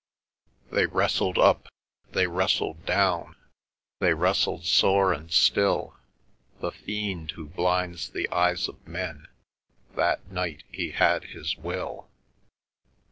They wrestled up, they wrestled down, They wrestled sore and still: The fiend who blinds the eyes of men, That night he had his will.